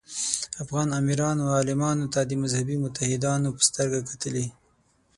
افغان امیرانو عالمانو ته د مذهبي متحدانو په سترګه کتلي.